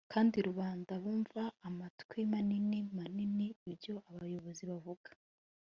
Kandi rubanda bumva namatwi manini manini ibyo abayobozi bavuga